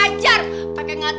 pakai ngatain atika turun mesin lagi